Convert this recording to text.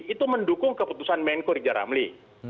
itu mendukung keputusan menko rijaramli